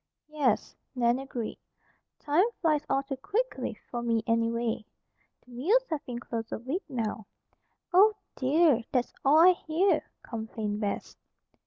"Yes," Nan agreed. "Time flies all too quickly, for me, anyway. The mills have been closed a week now." "Oh, dear! That's all I hear," complained Bess.